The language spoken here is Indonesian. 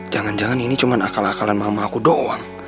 jangan jangan ini cuma akal akalan mama aku doang